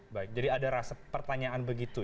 baik jadi ada rasa pertanyaan begitu